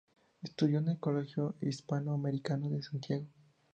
Estudió en el Colegio Hispano Americano de Santiago.